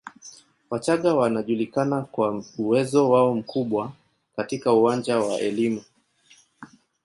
Wachaga wanajulikana kwa uwezo wao mkubwa katika uwanja wa elimu